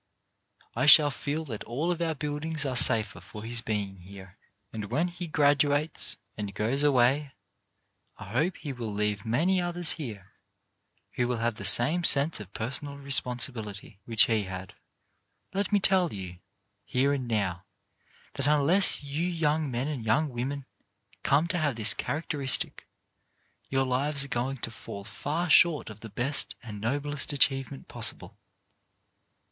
I shall feel that all of our buildings are safer for his being here, and when he graduates and goes away I hope he will leave many others here who will have the same sense of personal responsibility which he had. Let me tell you, here and now, that unless you young men and young women come to have this charac teristic, your lives are going to fall far short of the best and noblest achievement possible.